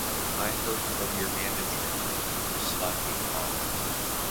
I heard from your manager that you were slacking off.